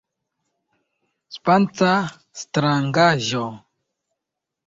Spaca Strangaĵo!